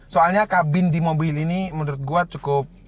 soalnya kabin di mobil ini menurut gue cukup